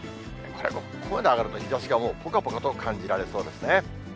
こういうふうに上がると、日ざしがもうぽかぽかと感じられそうですね。